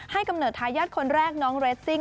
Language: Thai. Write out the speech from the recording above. กำเนิดทายาทคนแรกน้องเรสซิ่ง